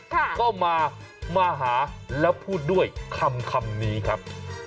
ก็มามาหาแล้วพูดด้วยคำนี้ครับ